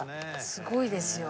すごいですよ。